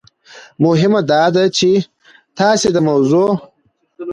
مهم داده چې تاسو د موضوع